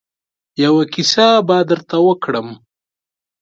يوه کيسه به درته وکړم.